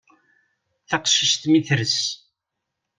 Taqcict mi tres.